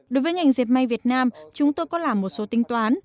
đối với ngành dẹp may việt nam chúng tôi có làm một số tính toán